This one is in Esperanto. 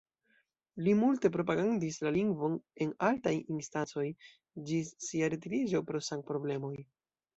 Li multe propagandis la lingvon en altaj instancoj, ĝis sia retiriĝo pro sanproblemoj.